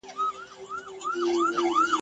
بس چي ژبه یې ګونګی وای چا یې ږغ نه اورېدلای !.